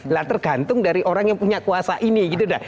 lah tergantung dari orang yang punya kuasa ini gitu